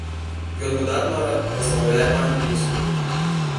Ён выдатна размаўляе па-англійску.